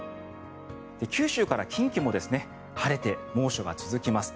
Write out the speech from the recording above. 九州から近畿も晴れて猛暑が続きます。